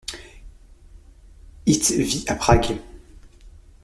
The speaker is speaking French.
It vit à Prague.